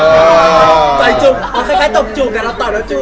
ต่อยจูบเขาคล้ายตกจูบกันเราต่อยแล้วจูบ